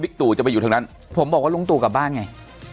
ตู่จะไปอยู่ทางนั้นผมบอกว่าลุงตู่กลับบ้านไง